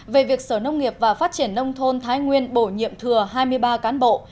về việc sở nông nghiệp và phát triển nông thôn thái nguyên bổ nhiệm thừa hai mươi ba cán bộ